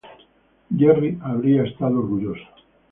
Jerry habría estado orgulloso.